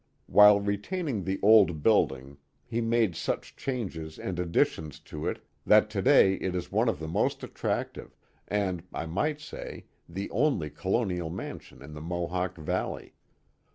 While retaining the old building he made such changes and additions to it that to day it is one of the most attractive and I might' say the only colonial mansion in the Mohawk Valley.